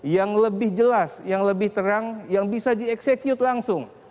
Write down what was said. yang lebih jelas yang lebih terang yang bisa dieksekute langsung